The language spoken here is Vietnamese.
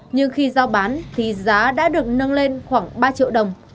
nhưng khi giao bán thì giá đã được nâng lên khoảng ba triệu đồng